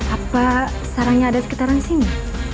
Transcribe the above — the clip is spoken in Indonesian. apa sarangnya ada sekitaran sini